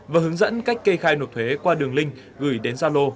và hướng dẫn cách kê khai nộp thuế qua đường link gửi đến gia lô